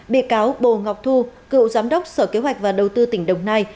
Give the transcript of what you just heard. bị cáo bồ ngọc thu cựu giám đốc sở kế hoạch và đầu tư tỉnh đồng nai